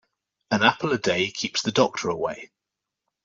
An apple a day keeps the doctor away.